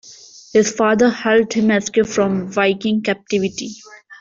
His father helped him escape from the Viking captivity.